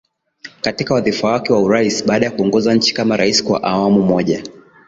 katika wadhifa wake wa Urais Baada ya kuongoza nchi kama rais kwa awamu moja